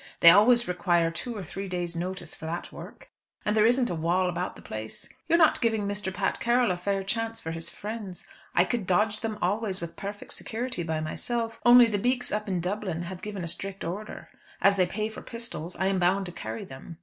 They always require two or three days' notice for that work; and there isn't a wall about the place. You're not giving Mr. Pat Carroll a fair chance for his friends. I could dodge them always with perfect security by myself, only the beaks up in Dublin have given a strict order. As they pay for the pistols, I am bound to carry them."